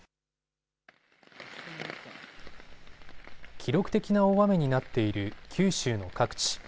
記録的な大雨になっている九州の各地。